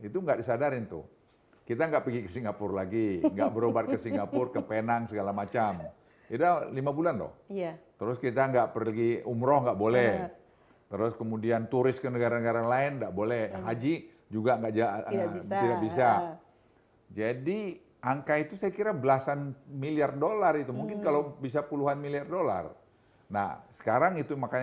tadi berputar di lapangan